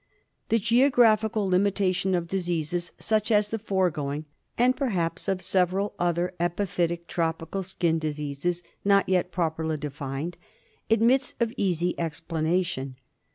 The geographical limitation of diseases such as the foregoing, and perhaps of several other epiphytic tropical skin diseases not yet properly defined, admits of easy explanation.